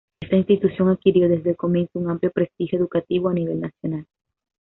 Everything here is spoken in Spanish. Esta institución adquirió desde el comienzo un amplio prestigio educativo a nivel nacional.